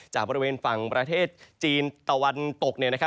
จากบริเวณฝั่งประเทศจีนตะวันตก